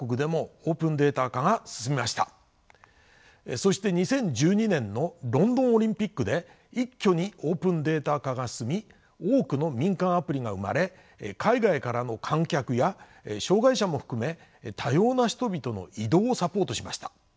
そして２０１２年のロンドンオリンピックで一挙にオープンデータ化が進み多くの民間アプリが生まれ海外からの観客や障碍者も含め多様な人々の移動をサポートしました。